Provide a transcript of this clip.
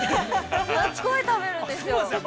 すごい食べるんですよ。